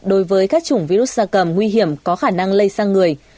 đối với các chủng virus da cầm nguy hiểm có khả năng lây sang người